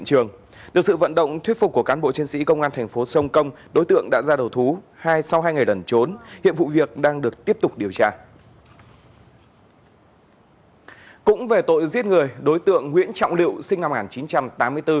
cũng về tội giết người đối tượng nguyễn trọng liệu sinh năm một nghìn chín trăm tám mươi bốn